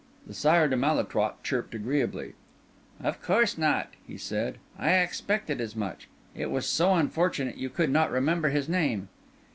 The Sire de Malétroit chirped agreeably. "Of course not," he said; "I expected as much. It was so unfortunate you could not remember his name."